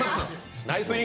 ナイスイン！